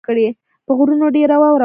په غرونو ډېره واوره وشوه